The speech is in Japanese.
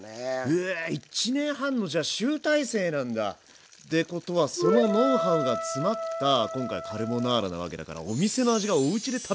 え１年半のじゃあ集大成なんだ！ってことはそのノウハウがつまった今回カルボナーラなわけだからってことだよね。